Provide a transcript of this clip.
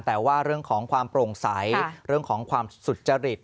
แต่ว่าเรื่องของความโปร่งใสเรื่องของความสุจริต